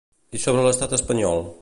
I sobre l'estat espanyol?